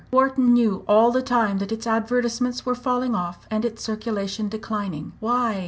Wharton knew all the time that its advertisements were falling off, and its circulation declining. Why?